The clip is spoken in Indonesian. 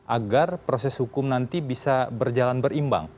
agar proses hukum nanti bisa berjalan berimbang